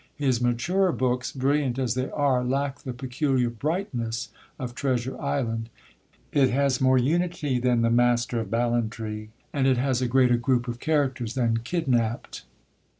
His maturer books, brilliant as they are, lack the peculiar brightness of Treasure Island. It has more unity than The Master of Ballantræ; and it has a greater group of characters than Kidnapped.